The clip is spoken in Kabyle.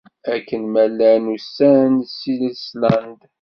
Akken ma llan usan-d seg Island.